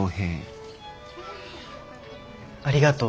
ありがとう。